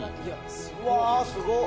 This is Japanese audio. うわぁすごっ。